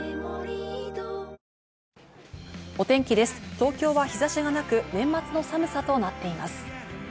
東京は日差しがなく、年末の寒さとなっています。